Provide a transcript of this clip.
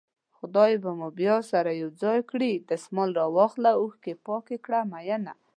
خدای به مو بيا سره يو ځای کړي دسمال راواخله اوښکې پاکې کړه مينه